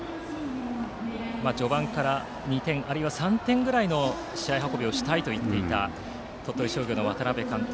序盤から２点あるいは３点ぐらいの試合運びをしたいと言っていた鳥取商業の渡辺監督。